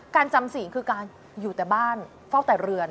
จำศีลคือการอยู่แต่บ้านเฝ้าแต่เรือน